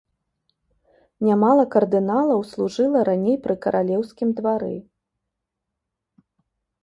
Нямала кардыналаў служыла раней пры каралеўскім двары.